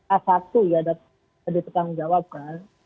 a satu ya tadi ditanggung jawabkan